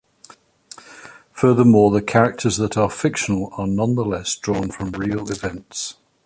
Furthermore, the characters that are fictional are nonetheless drawn from real events.